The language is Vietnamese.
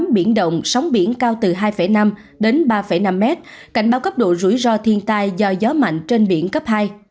biển động sóng biển cao từ hai năm đến ba năm mét cảnh báo cấp độ rủi ro thiên tai do gió mạnh trên biển cấp hai